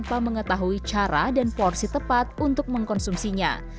kita juga harus mengetahui cara dan porsi tepat untuk mengkonsumsinya